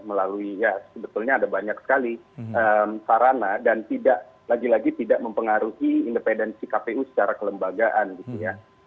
melalui ya sebetulnya ada banyak sekali sarana dan tidak lagi lagi tidak mempengaruhi independensi kpu secara kelembagaan gitu ya